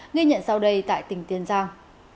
nghe nhận sau đây tại tỉnh tiên giang